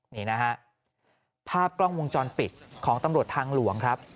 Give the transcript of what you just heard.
นี่นะฮะภาพกล้องวงจรปิดของตำรวจทางหลวงครับ